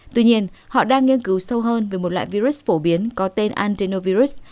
tuy nhiên họ đang nghiên cứu sâu hơn về một loại virus phổ biến có tên antenovirus